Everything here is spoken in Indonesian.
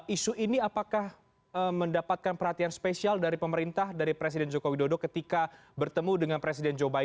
isu ini apakah mendapatkan perhatian spesial dari pemerintah dari presiden joko widodo ketika bertemu dengan presiden joe biden